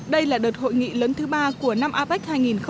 đây là đợt hội nghị lần thứ ba của năm apec hai nghìn một mươi bảy